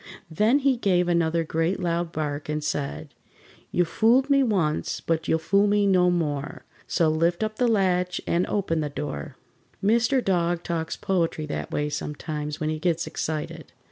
Then he gave another great loud bark and said: "You fooled me once, but you'll fool me no more, So lift up the latch and open the door!" Mr. Dog talks poetry that way sometimes when he gets excited.